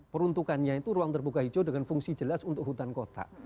peruntukannya itu ruang terbuka hijau dengan fungsi jelas untuk hutan kota